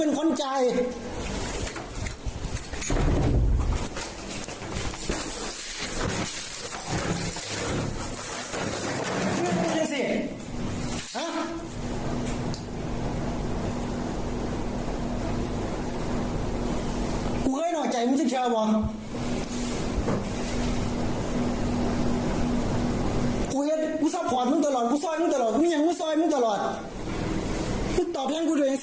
มึงตอบเรื่องกูด้วยอย่างสินั่นเพื่อนเลย